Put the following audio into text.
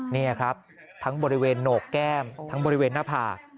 นี่ครับทั้งบริเวณโหนกแก้มทั้งบริเวณหน้าผาก